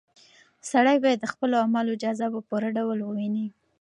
سړی باید د خپلو اعمالو جزا په پوره ډول وویني.